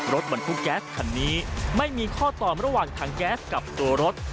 รถบรรทุกแก๊สคันนี้ไม่มีข้อตอบระหว่างถังแก๊สกับตัวรถ